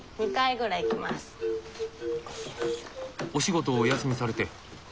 お仕事をお休みされて？